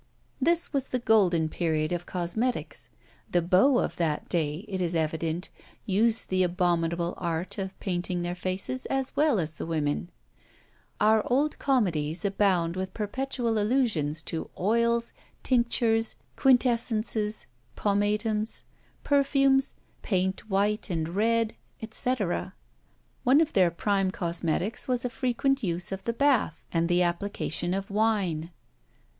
This was the golden period of cosmetics. The beaux of that day, it is evident, used the abominable art of painting their faces as well as the women. Our old comedies abound with perpetual allusions to oils, tinctures, quintessences, pomatums, perfumes, paint white and red, &c. One of their prime cosmetics was a frequent use of the bath, and the application of wine.